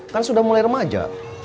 kan sudah mulai remaja